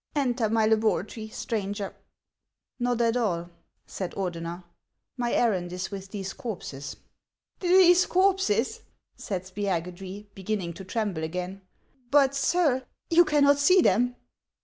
Enter my laboratory, stranger." " Xot at all," said Ordener ;" my errand is with these corpses." " These corpses !" said Spiagudry, beginning to tremble again. " But, sir, you cannot see them."